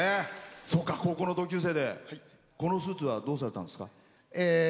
高校の同級生でこのスーツはどうされたんですか？